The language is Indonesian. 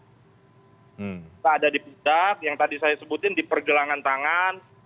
kita ada di pidat yang tadi saya sebutin di pergelangan tangan